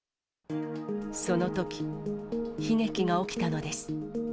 そのとき、悲劇が起きたのです。